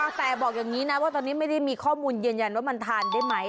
แต่บอกอย่างนี้นะว่าตอนนี้ไม่ได้มีข้อมูลยืนยันว่ามันทานได้ไหม